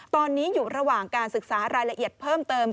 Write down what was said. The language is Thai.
ตอนนี้อยู่ระหว่างการศึกษารายละเอียดเพิ่มเติม